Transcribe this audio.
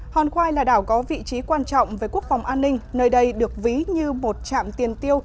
hòn khoai là đảo có vị trí quan trọng với quốc phòng an ninh nơi đây được ví như một trạm tiền tiêu